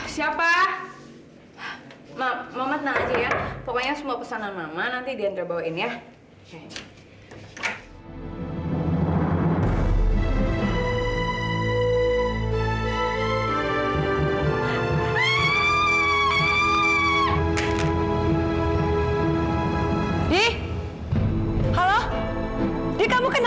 sampai jumpa di video selanjutnya